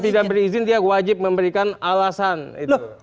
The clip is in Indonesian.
tidak berizin dia wajib memberikan alasan itu